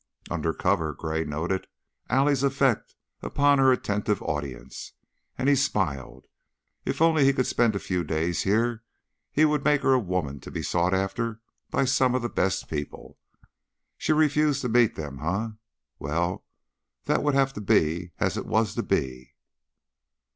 Under cover, Gray noted Allie's effect upon her attentive audience, and he smiled. If only he could spend a few days here he would make her a woman to be sought after by some of the best people. She refused to meet them, eh? Well, that would be as it was to be.